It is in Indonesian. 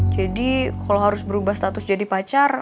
jadi kalau harus berubah status jadi pacar